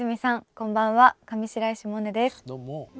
こんばんは上白石萌音です。